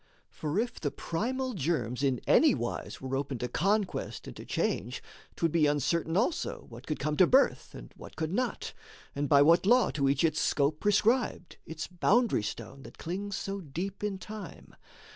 For if the primal germs in any wise Were open to conquest and to change, 'twould be Uncertain also what could come to birth And what could not, and by what law to each Its scope prescribed, its boundary stone that clings So deep in Time.